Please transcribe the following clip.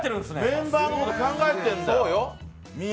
メンバーのこと考えてるんだよ。